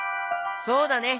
そうだね。